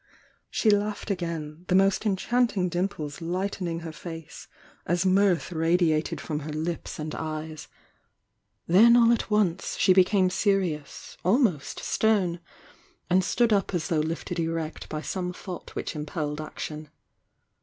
She laughed again, the most nchanting dimples lightening her face as mirth radiated from her Ups f t THE YOUNG DIANA 318 uid eyes — then all at once she became serious, al most stern, and stood up as thou^ lifted erect by some thought which impelled action.